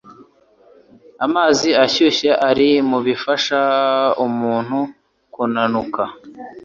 Amazi ashyuye ari mubifasha umuntu kunanuka